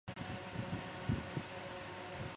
藤原兼辅是平安时代中期的公家和歌人。